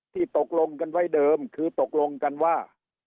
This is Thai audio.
ตกลงกันไว้เดิมคือตกลงกันว่า